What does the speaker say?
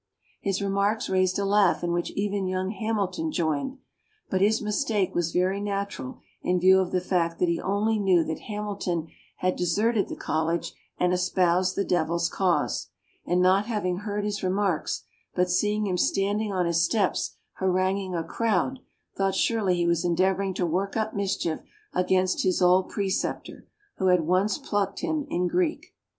His remarks raised a laugh in which even young Hamilton joined, but his mistake was very natural in view of the fact that he only knew that Hamilton had deserted the college and espoused the devil's cause; and not having heard his remarks, but seeing him standing on his steps haranguing a crowd, thought surely he was endeavoring to work up mischief against his old preceptor, who had once plucked him in Greek.